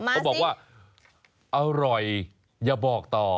เขาบอกว่าอร่อยอย่าบอกต่อ